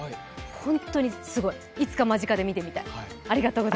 本当にすごいいつか間近で見てみたい。